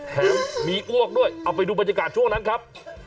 แถมมีอ้วกด้วยเอาไปดูบรรยากาศช่วงนั้นครับ